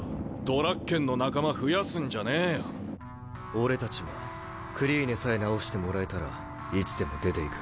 俺たちはクリーネさえ治してもらえたらいつでも出ていく。